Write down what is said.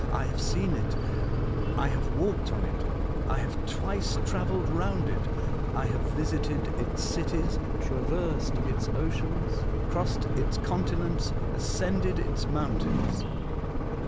I have seen it ; I have walked on it ; I have twice travelled round it ; I have visited its cities, traversed its oceans, crossed its continents, ascended its mountains.